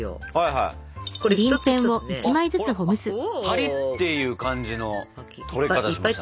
パリッていう感じの取れ方しましたね。